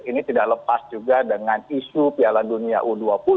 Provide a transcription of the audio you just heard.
ini tidak lepas juga dengan isu piala dunia u dua puluh